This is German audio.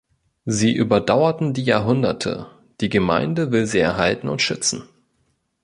Sie überdauerten die Jahrhunderte; die Gemeinde will sie erhalten und schützen.